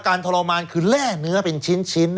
ทรมานคือแร่เนื้อเป็นชิ้น